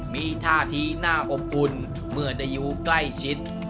มีท่าทีน่าอบอุ่นเมื่อได้อยู่ใกล้ชิด